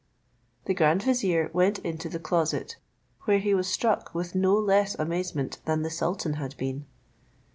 The grand vizier went into the closet, where he was struck with no less amazement than the sultan had been.